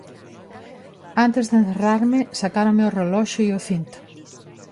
Antes de encerrarme, sacáronme o reloxo e o cinto.